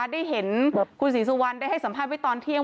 ได้เห็นคุณศรีสุวรรณได้ให้สัมภาษณ์ไว้ตอนเที่ยง